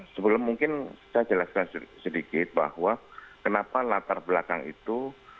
sebelum mungkin saya jelaskan sedikit bahwa kenapa latar belakang itu